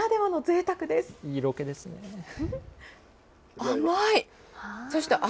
いいロケですねぇ。